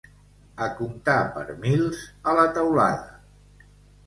A comptar per mils, a la teulada.